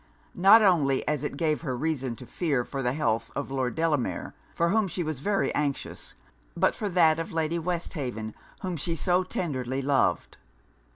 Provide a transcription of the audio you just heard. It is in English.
Not only as it gave her reason to fear for the health of Lord Delamere, for whom she was very anxious; but for that of Lady Westhaven, whom she so tenderly loved.